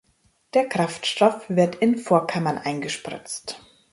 Der Kraftstoff wird in Vorkammern eingespritzt.